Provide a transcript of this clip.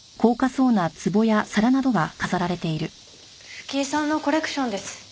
冨貴江さんのコレクションです。